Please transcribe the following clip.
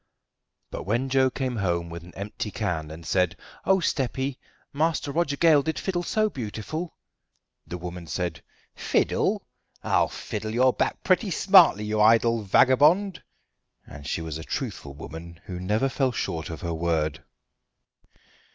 But when Joe came home with an empty can and said: "Oh, steppy, Master Roger Gale did fiddle so beautiful!" the woman said: "Fiddle! I'll fiddle your back pretty smartly, you idle vagabond"; and she was a truthful woman who never fell short of her word.